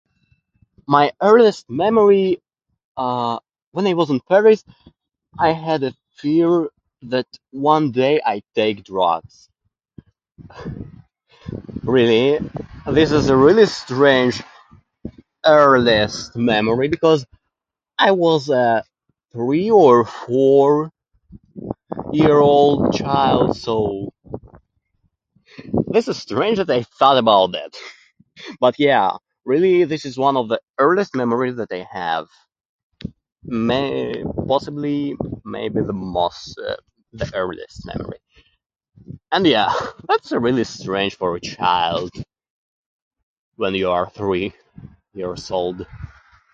My earliest memory, uh, when I was in Paris, I had a fear that one day I take drugs. Really, this is really strange earliest memory, because I was a three- or four-year-old child, so this is strange that I thought about that. But yeah, really, this is one of the earliest memories that I have. May- possibly, maybe the most, uh, the earliest memory. And yeah, that's really strange for a child, when you are three years old.